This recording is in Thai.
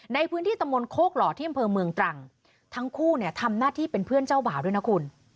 ในพื้นที่ตะมนต์โคกหล่อที่อำเภอเมืองตรังทั้งคู่เนี่ยทำหน้าที่เป็นเพื่อนเจ้าบ่าวด้วยนะคุณ